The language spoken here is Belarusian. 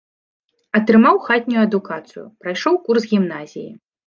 Атрымаў хатнюю адукацыю, прайшоў курс гімназіі.